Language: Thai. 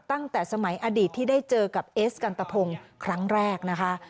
ตั้งแต่สมัยอดีตที่ได้เจอกับเอสกันตะพงศ์ครั้งแรกนะคะ